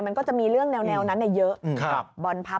มันก็จะมีเรื่องแนวนั้นเยอะ